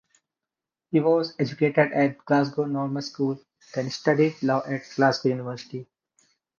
He was educated at Glasgow Normal School then studied Law at Glasgow University.